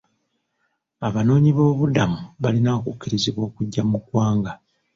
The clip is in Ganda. Abanoonyiboobubudamu balina okukkirizibwa okujja mu ggwanga.